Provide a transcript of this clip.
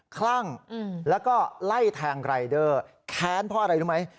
คลั่งแล้วก็ไล่แทงรายเดอร์แค้นเพราะอะไรรู้ไหม